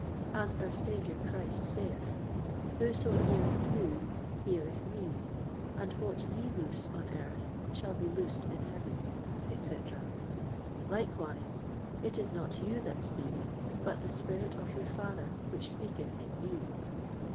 As our Saviour Christ saith, 'Whoso heareth you, heareth me; and what ye loose on earth shall be loosed in heaven,' etc. Likewise, 'It is not you that speak, but the spirit of your Father which speaketh in you.